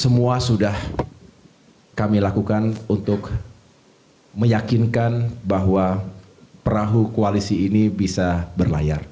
semua sudah kami lakukan untuk meyakinkan bahwa perahu koalisi ini bisa berlayar